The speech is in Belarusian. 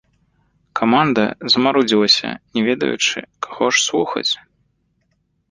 Каманда замарудзілася, не ведаючы, каго ж слухаць.